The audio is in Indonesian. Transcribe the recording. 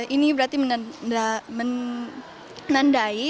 ini berarti menandai